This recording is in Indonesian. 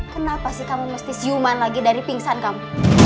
kenapa sih kamu mesti siuman lagi dari pingsan kamu